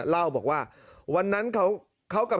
เล่าบอกว่าวันนั้นเขากับ